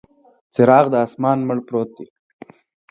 څراغ د اسمان، مړ پروت دی